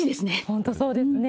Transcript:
本当そうですね。